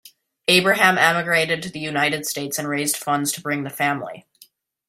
Abraham emigrated to the United States and raised funds to bring the family.